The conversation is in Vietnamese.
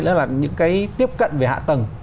đó là những cái tiếp cận về hạ tầng